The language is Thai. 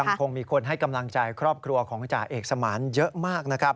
คงมีคนให้กำลังใจครอบครัวของจ่าเอกสมานเยอะมากนะครับ